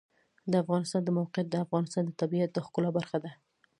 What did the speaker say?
د افغانستان د موقعیت د افغانستان د طبیعت د ښکلا برخه ده.